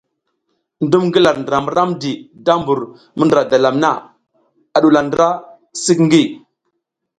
Ndum ngi lar ndra mi ramdi da mbur mi ndǝra dalam na a ɗuwula ndra sik ngi.